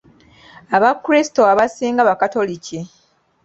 Abakrisito abasinga bakatoliki.